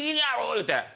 言うて。